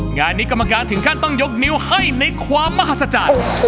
งานนี้ก็มาการ์ดถึงขั้นต้องยกนิวให้ในความมหาสจัด